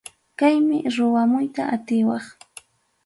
Kaymi ruwamuyta atiwaq.